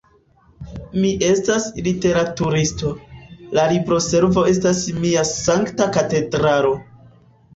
Mi estas literaturisto, la libroservo estas mia sankta katedralo.